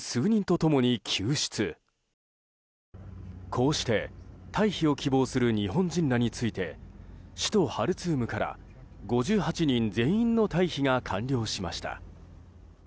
こうして、退避を希望する日本人らについて首都ハルツームから５８人全員の退避が完了しました。